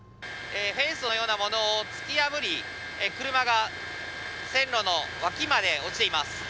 フェンスのようなものを突き破り車が線路の脇まで落ちています。